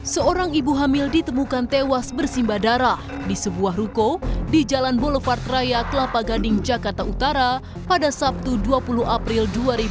seorang ibu hamil ditemukan tewas bersimba darah di sebuah ruko di jalan boulevard raya kelapa gading jakarta utara pada sabtu dua puluh april dua ribu dua puluh